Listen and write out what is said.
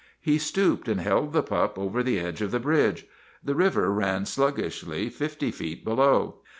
He stooped and held the pup over the edge of the bridge. The river ran sluggishly fifty feet below.